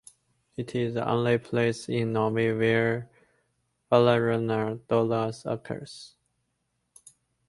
It is the only place in Norway where Valeriana dioica occurs.